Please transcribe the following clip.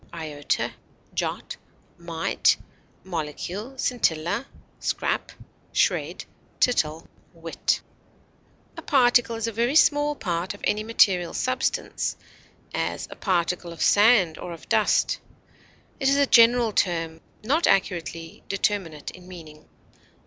corpuscle, iota, molecule, shred, element, jot, scintilla, tittle, A particle is a very small part of any material substance; as, a particle of sand or of dust; it is a general term, not accurately determinate in meaning.